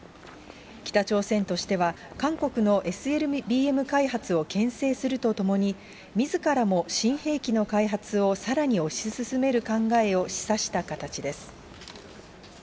北朝鮮としては、韓国のＳＬＢＭ開発をけん制するとともに、みずからも新兵器の開発をさらに推し進める考えを示唆した形です。